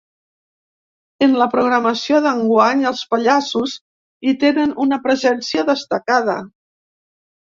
En la programació d’enguany, els pallassos hi tenen una presència destacada.